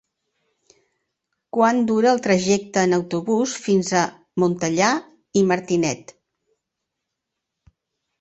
Quant dura el trajecte en autobús fins a Montellà i Martinet?